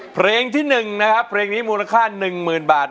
เพลงที่๑นะครับเพลงนี้มูลค่า๑๐๐๐บาท